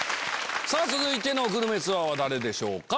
さぁ続いてのグルメツアーは誰でしょうか？